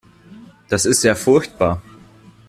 Das ist ja furchtbar.